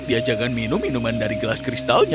dia jangan minum minuman dari gelas kristal